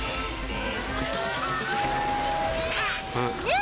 え？